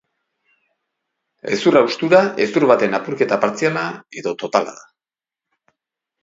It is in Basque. Hezur haustura hezur baten apurketa partziala edo totala da.